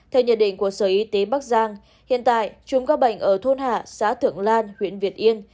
theo nhận định của sở y tế bắc giang hiện tại chùm các bệnh ở thôn hạ xã thượng lan huyện việt yên